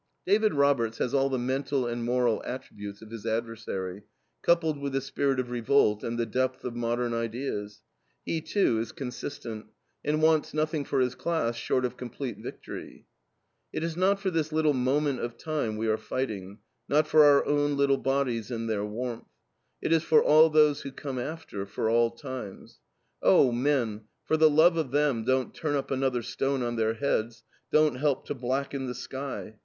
David Roberts has all the mental and moral attributes of his adversary, coupled with the spirit of revolt, and the depth of modern ideas. He, too, is consistent, and wants nothing for his class short of complete victory. "It is not for this little moment of time we are fighting, not for our own little bodies and their warmth; it is for all those who come after, for all times. Oh, men, for the love of them don't turn up another stone on their heads, don't help to blacken the sky.